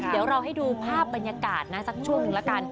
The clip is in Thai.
เดี๋ยวเราให้ดูภาพบรรยากาศนะสักช่วงหนึ่งละกัน